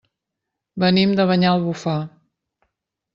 Venim de Banyalbufar.